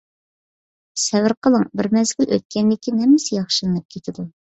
سەۋر قىلىڭ. بىر مەزگىل ئۆتكەندىن كېيىن ھەممىسى ياخشىلىنىپ كېتىدۇ.